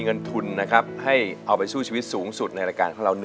เงินทุนนะครับให้เอาไปสู้ชีวิตสูงสุดในรายการของเรา